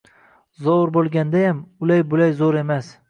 — Zo‘r bo‘lgandayam, ulay-bulay zo‘r emas.